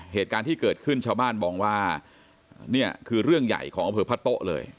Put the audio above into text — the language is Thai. เหตุการณ์ที่เกิดขึ้นชาวบ้านมองว่านี่คือเรื่องใหญ่ของอำเภอพระโต๊ะเลย